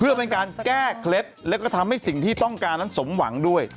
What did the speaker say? เพื่อเป็นการแก้เคล็ดแล้วก็ทำให้สิ่งที่ต้องการนั้นสมหวังด้วย